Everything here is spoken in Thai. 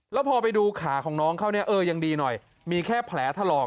แล้วพอไปดูขาของน้องเขาเนี่ยเออยังดีหน่อยมีแค่แผลถลอก